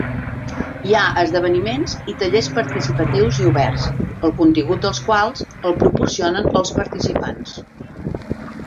Hi ha esdeveniments i tallers participatius i oberts, el contingut dels quals el proporcionen els participants.